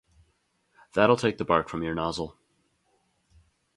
That'll take the bark from your nozzle.